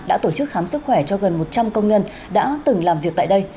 đã tổ chức khám sức khỏe cho gần một trăm linh công nhân đã từng làm việc tại đây